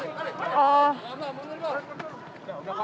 tidak usah mundur ya pak